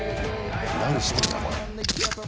何してんだ、これ。